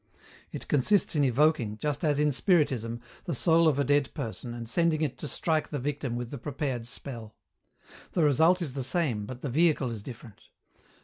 It consists in evoking, just as in Spiritism, the soul of a dead person and sending it to strike the victim with the prepared spell. The result is the same but the vehicle is different.